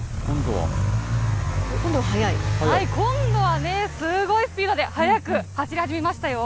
今度はすごいスピードで、速く走り始めましたよ。